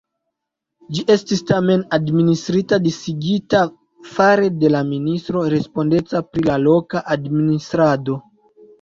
Ĝi estis tamen, administrita disigita fare de la ministro respondeca pri la loka administrado.